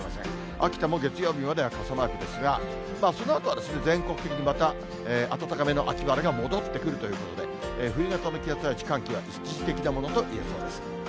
秋田も月曜日までは傘マークですが、そのあとは全国的にまた暖かめの秋晴れが戻ってくるということで、冬型の気圧配置、寒気は一時的なものといえそうです。